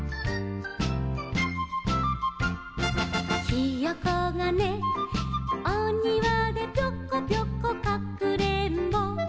「ひよこがねお庭でぴょこぴょこかくれんぼ」